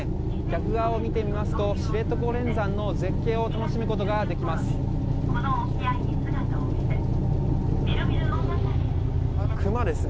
逆側を見てみますと知床連山の絶景を楽しむことができます。